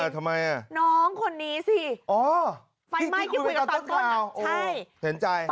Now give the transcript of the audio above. ตานองหน้าเลยจริง